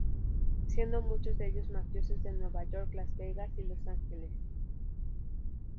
Siendo muchos de ellos mafiosos de Nueva York, Las Vegas y Los Angeles.